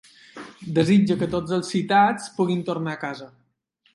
Desitja que tots els citats puguin tornar a casa.